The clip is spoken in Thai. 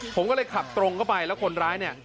ผมก็เลยขับตรงเข้าไปแล้วคนร้ายเนี่ย